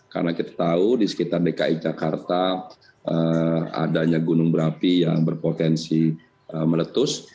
karena kita tahu di sekitar dki jakarta adanya gunung berapi yang berpotensi meletus